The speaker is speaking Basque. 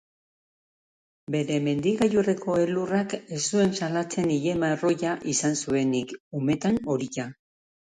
Bere mendi-gailurreko elurrak ez zuen salatzen ile marroia izan zuenik, umetan horia.